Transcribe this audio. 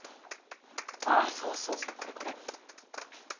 あそうそうそうこれこれ。